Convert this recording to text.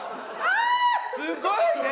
すごいね！